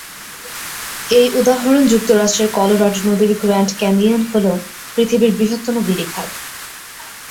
এর উদাহরণ যুক্তরাষ্ট্রের কলোরাডো নদীর গ্র্যান্ড ক্যানিয়ন হল পৃথিবীর বৃহত্তম গিরিখাত।